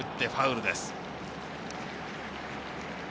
ファウルです。